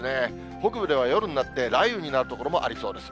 北部では夜になって雷雨になる所もありそうです。